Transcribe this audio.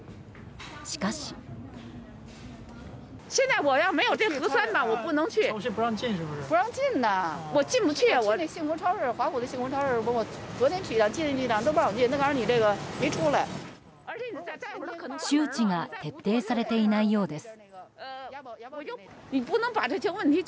しかし。周知が徹底されていないようです。